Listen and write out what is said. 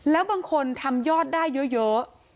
แล้วบางคนทำยอดได้เยอะ